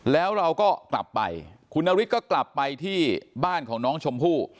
แล้วเราก็กลับไปคุณนฤทธิก็กลับไปที่บ้านของน้องชมพู่